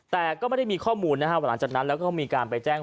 แต่ก็ไม่ได้มีข้อมูลนะครับหลังจากนั้นแล้วก็มีการไปแจ้ง